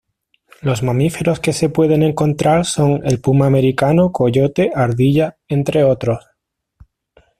Los mamíferos que se pueden encontrar son el puma americano, coyote, ardilla, entre otros.